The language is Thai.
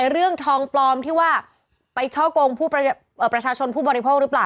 เรื่องทองปลอมที่ว่าไปช่อกงประชาชนผู้บริโภคหรือเปล่า